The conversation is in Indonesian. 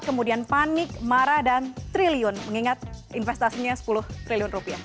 kemudian panik marah dan triliun mengingat investasinya sepuluh triliun rupiah